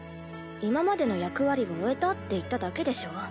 今までの役割を終えたって言っただけでしょ。